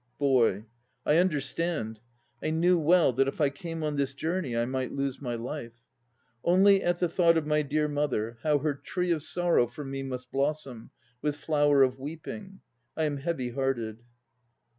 BOY. I understand. I knew well that if I came on this journey I might lose my life. Only at the thought Of my dear mother, How her tree of sorrow For me must blossom With flower of weeping, I am heavy hearted.